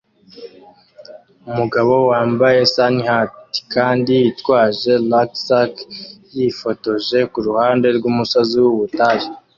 Umugabo wambaye sunhat kandi yitwaje rucksack yifotoje kuruhande rwumusozi wubutayu